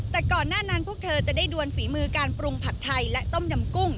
แต่ก่อนหน้านั้นพวกเธอจะได้ดวนฝีมือการปรุงผัดไทยและต้มยำกุ้ง